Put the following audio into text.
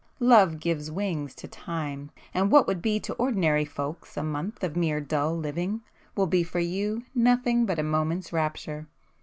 —Love gives wings to time, and what would be to ordinary folks a month of mere dull living, will be for you nothing but a moment's rapture!